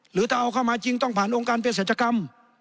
หรือถ้าเอาเข้ามาจริงต้องผ่านองค์การเพศรัชกรรม